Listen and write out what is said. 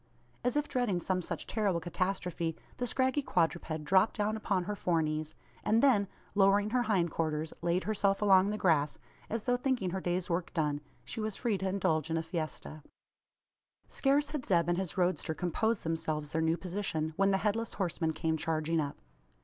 As if dreading some such terrible catastrophe, the scraggy quadruped dropped down upon her fore knees; and then, lowering her hind quarters, laid herself along the grass, as though thinking her day's work done she was free to indulge in a fiesta. Scarce had Zeb and his roadster composed themselves their new position, when the Headless Horseman came charging up.